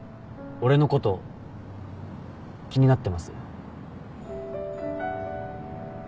俺のこと気になって？